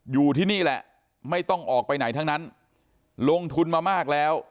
อยู่ที่นี่แหละไม่ต้องออกไปไหนทั้งนั้นลงทุนมามากแล้ว